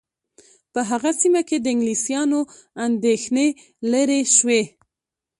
په هغه سیمه کې د انګلیسیانو اندېښنې لیرې شوې.